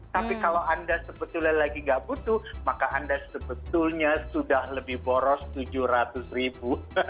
tapi kalau anda sebetulnya lagi nggak butuh maka anda sebetulnya sudah lebih boros tujuh ratus ribu